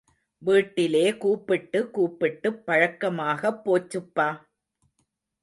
வீட்டிலே கூப்பிட்டு கூப்பிட்டுப் பழக்கமாகப் போச்சுப்பா!